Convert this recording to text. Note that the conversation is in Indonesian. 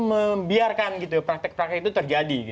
membiarkan gitu praktek praktek itu terjadi